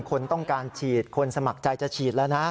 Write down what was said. คนต้องการฉีดคนสมัครใจจะฉีดแล้วนะ